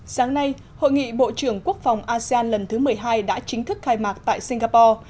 sáng nay hội nghị bộ trưởng quốc phòng asean lần thứ một mươi hai đã chính thức khai mạc tại singapore